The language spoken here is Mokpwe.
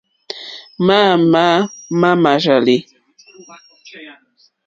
Máámà mà rzàlì.